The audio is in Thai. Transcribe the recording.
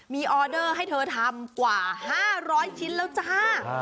มีออเดอร์ให้เธอทำกว่า๕๐๐ชิ้นแล้วจ้า